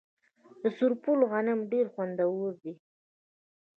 د سرپل غنم ډیر خوندور دي.